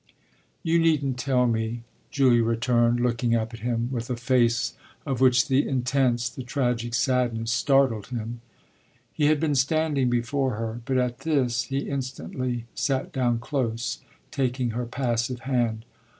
"You needn't tell me," Julia returned, looking up at him with a face of which the intense, the tragic sadness startled him. He had been standing before her, but at this he instantly sat down close, taking her passive hand.